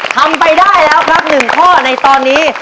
ทำไปได้แล้วครับ๑ข้อในตอนนี้